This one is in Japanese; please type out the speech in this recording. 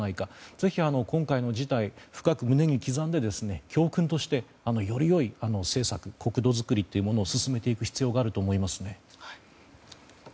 ぜひ、今回の事態を深く胸に刻んで、教訓としてより良い政策国土づくりというものを進めていく必要があると思います。